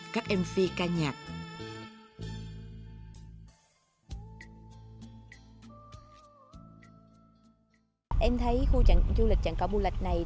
các em phi ca nhạc